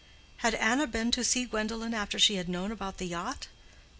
Had Anna been to see Gwendolen after she had known about the yacht?